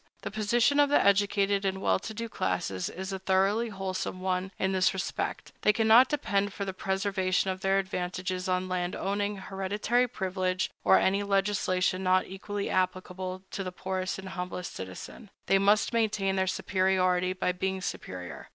The position of the educated and well to do classes is a thoroughly wholesome one in this respect: they cannot depend for the preservation of their advantages on land owning, hereditary privilege, or any legislation not equally applicable to the poorest and humblest citizen. They must maintain their superiority by being superior.